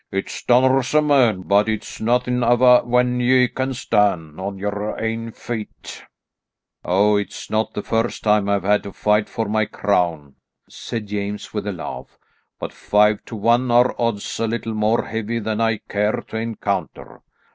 "It stunners a man, but it's nothin' ava when ye can stan' on your ain feet." "Oh, it's not the first time I've had to fight for my crown," said James with a laugh, "but five to one are odds a little more heavy than I care to encounter."